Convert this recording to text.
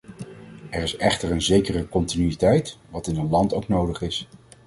Er is echter een zekere continuïteit, wat in een land ook nodig is.